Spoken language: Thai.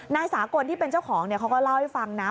นายสากลที่เป็นเจ้าของเขาก็เล่าให้ฟังนะ